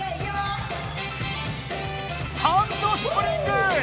ハンドスプリング！